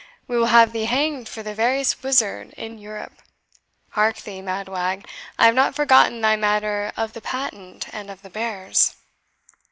We will have thee hanged for the veriest wizard in Europe. Hark thee, mad wag, I have not forgotten thy matter of the patent, and of the bears."